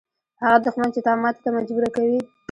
هغه دښمن چې تا ماتې ته مجبوره کوي.